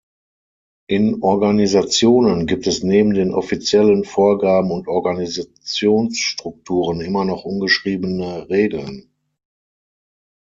In Organisationen gibt es neben den offiziellen Vorgaben und Organisationsstrukturen immer noch ungeschriebene Regeln.